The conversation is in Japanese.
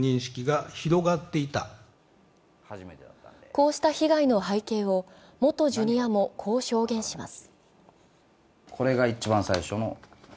こうした被害の背景を元Ｊｒ．もこう証言します。